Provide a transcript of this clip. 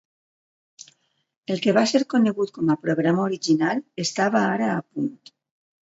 El que va ser conegut com a "programa original" estava ara a punt.